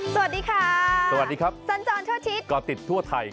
สวัสดีค่ะสวัสดีครับสัญจรเท่าชิดกรติดทั่วไทยครับ